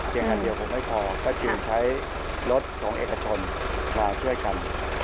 อันเดียวคงไม่พอก็จึงใช้รถของเอกชนมาช่วยกัน